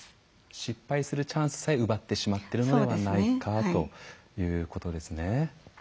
失敗するチャンスさえ奪ってしまってるのではないかということですね。